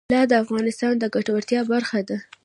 طلا د افغانانو د ګټورتیا برخه ده.